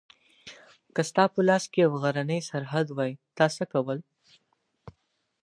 که ستا په لاس کې یو غرنی سرحد وای تا څه کول؟